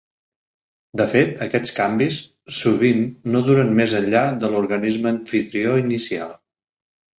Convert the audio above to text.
De fet, aquests canvis sovint no duren més enllà de l'organisme amfitrió inicial.